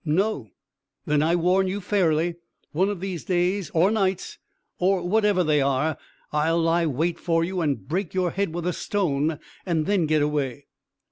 "No." "Then I warn you fairly. One of these days, or nights, or whatever they are, I'll lie wait for you, and break your head with a stone, and then get away."